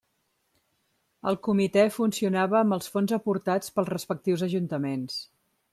El comitè funcionava amb els fons aportats pels respectius ajuntaments.